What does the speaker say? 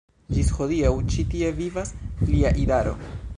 Ĝis hodiaŭ ĉi tie vivas lia idaro.